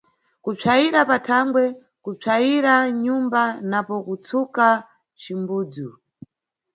Kupsayira pathanbwe, kupsayira nʼnyumba napo kutsuka nʼcimbudzu.